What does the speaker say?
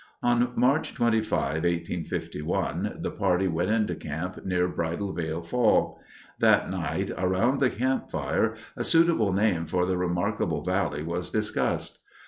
On March 25, 1851, the party went into camp near Bridalveil Fall. That night around the campfire a suitable name for the remarkable valley was discussed.